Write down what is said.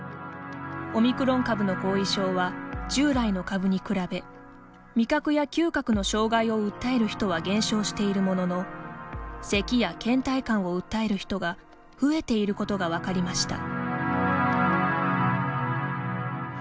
オミクロン株の後遺症は従来の株に比べ味覚や嗅覚の障害を訴える人は減少しているもののせきやけん怠感を訴える人が増えていることが分かりました。